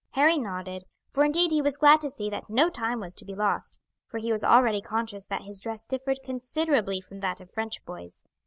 Harry nodded, for indeed he was glad to see that no time was to be lost, for he was already conscious that his dress differed considerably from that of French boys.